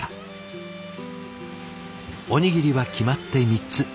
おにぎりは決まって３つ。